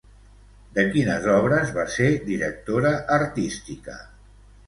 De quines obres va ser directora artística?